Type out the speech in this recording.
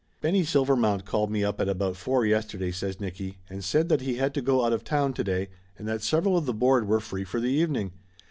"Benny Silvermount called me up at about four yesterday," says Nicky, "and said that he had to go out of town to day and that several of the board were free for the evening.